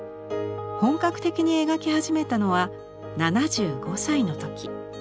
本格的に描き始めたのは７５歳の時。